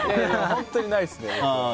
本当にないですね。